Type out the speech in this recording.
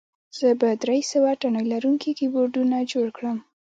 زه به درې سوه تڼۍ لرونکي کیبورډونه جوړ کړم